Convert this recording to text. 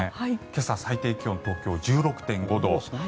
今朝、最低気温東京は１６．５度。